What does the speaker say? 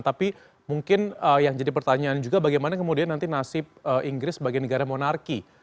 tapi mungkin yang jadi pertanyaan juga bagaimana kemudian nanti nasib inggris sebagai negara monarki